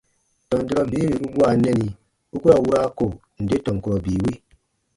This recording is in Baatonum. Tɔn durɔ bii wì u gua nɛni u ku ra wura ko nde tɔn kurɔ bii wi.